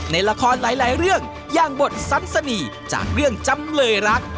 ในละครหลายเรื่องอย่างบทสันสนีจากเรื่องจำเลยรัก